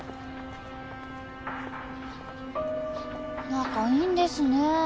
仲いいんですね。